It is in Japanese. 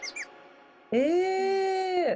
え？